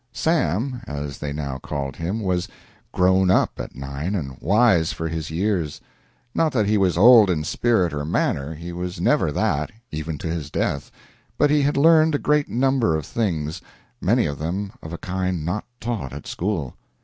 "Sam," as they now called him, was "grown up" at nine and wise for his years. Not that he was old in spirit or manner he was never that, even to his death but he had learned a great number of things, many of them of a kind not taught at school.